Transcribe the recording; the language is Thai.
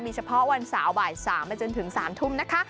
เฉพาะวันเสาร์บ่าย๓ไปจนถึง๓ทุ่มนะคะ